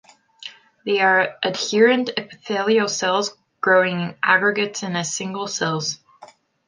They are adherent epithelial cells growing in aggregates and as single cells.